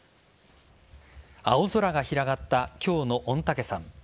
青空が広がった今日の御嶽山。